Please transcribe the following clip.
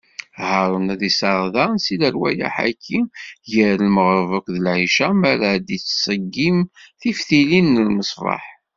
Haṛun ad isserɣ daɣen si lerwayeḥ-agi gar lmeɣreb akked lɛica, mi ara yettṣeggim tiftilin n lmeṣbaḥ.